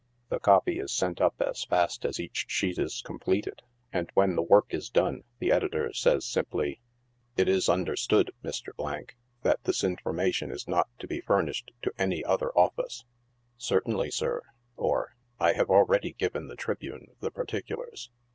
The copy is sent up as fast as each sheet is completed, and when the work is done the editor says sim ply, " It is understood, Mr. , that this information is not to be furnished to any other office." " Certainly, sir," or " I have already given the Tribune the particulars."